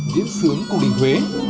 diễn sướng của định huế